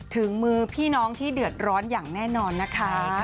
ถึงมือพี่น้องที่เดือดร้อนอย่างแน่นอนนะคะ